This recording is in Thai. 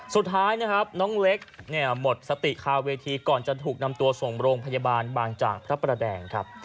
สุดท้ายนะครับน้องเล็กเนี่ยหมดสติคาเวทีก่อนจะถูกนำตัวส่งโรงพยาบาลบางจากพระประแดงครับ